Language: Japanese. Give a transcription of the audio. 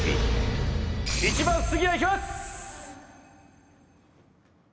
１番杉谷いきます！